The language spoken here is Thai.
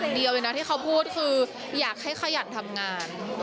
เดียวเลยนะที่เขาพูดคืออยากให้ขยันทำงาน